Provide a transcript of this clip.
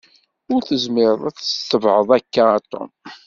Ur tezmireḍ ad tt-tetebεeḍ akka a Tom.